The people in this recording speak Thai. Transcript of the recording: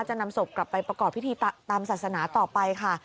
จะนำศพกลับไปประกอบพิธีตามศาสนาต่อไปค่ะ